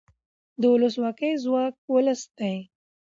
د ولسواکۍ ځواک ولس دی